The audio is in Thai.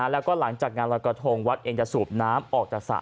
แล้วก็หลังจากงานรอยกระทงวัดเองจะสูบน้ำออกจากสระ